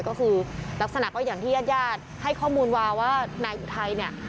ก็คือลักษณะก็อย่างที่ญาติญาติให้ข้อมูลวาว่านายอุทัยเนี่ย